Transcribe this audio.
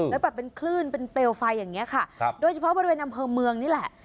แล้วแบบเป็นคลื่นเป็นเปลวไฟอย่างนี้ค่ะโดยเฉพาะบริเวณอำเภอเมืองนี่แหละ